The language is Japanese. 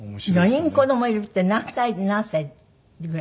４人子供いるって何歳何歳ぐらいの？